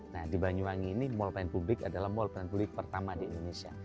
nah di banyulangi ini mall plain public adalah mall plain public pertama di indonesia